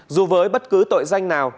dù với bất cứ tội danh nào